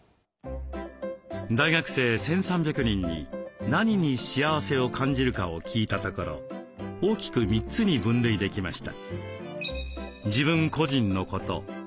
大学生１，３００人に「何に幸せを感じるか？」を聞いたところ大きく３つに分類できました。